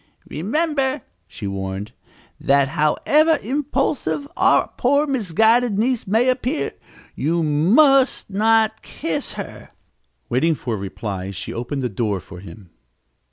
"Remember," she warned, "that however impulsive our poor, misguided niece may appear, you must not kiss her!" Without waiting for reply she opened the door for him.